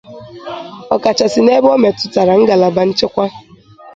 ọ kachasị n'ebe o metụtara ngalaba nchekwa.